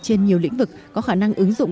trên nhiều lĩnh vực có khả năng ứng dụng